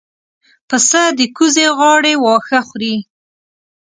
پسه د کوزې غاړې واښه خوري.